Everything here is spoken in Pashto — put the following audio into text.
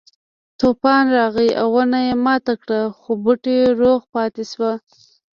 طوفان راغی او ونه یې ماته کړه خو بوټی روغ پاتې شو.